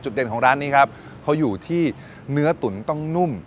เด่นของร้านนี้ครับเขาอยู่ที่เนื้อตุ๋นต้องนุ่ม